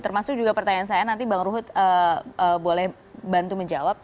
termasuk juga pertanyaan saya nanti bang ruhut boleh bantu menjawab